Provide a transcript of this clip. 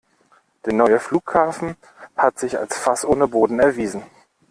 Der neue Flughafen hat sich als Fass ohne Boden erwiesen.